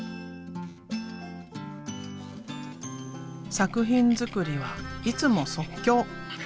作品作りはいつも即興。